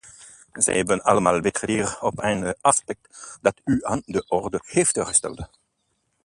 Ze hebben allemaal betrekking op een aspect dat u aan de orde heeft gesteld.